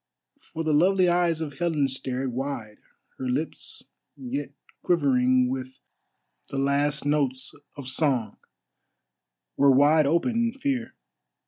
For the lovely eyes of Helen stared wide, her lips, yet quivering with the last notes of song, were wide open in fear.